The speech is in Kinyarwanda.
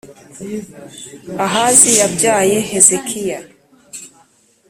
Ahazi yabyaye Hezekiya,